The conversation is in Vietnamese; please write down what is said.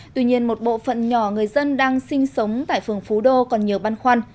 tuy nhiên một bộ phận nhỏ người dân đang sinh sống tại phường phú đô còn nhiều băn khoăn